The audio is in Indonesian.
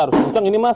harus kenceng ini mas